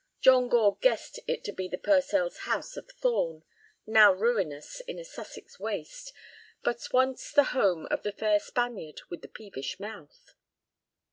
John Gore guessed it to be the Purcells' house of Thorn, now ruinous in a Sussex waste, but once the home of the fair Spaniard with the peevish mouth.